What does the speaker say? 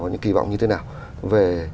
và kỳ vọng như thế nào về